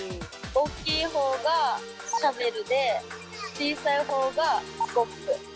大きい方がシャベルで小さい方がスコップ。